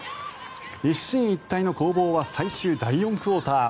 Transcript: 一進一退の攻防は最終第４クオーター。